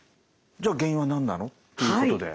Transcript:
じゃあ原因は何なの？ということではい。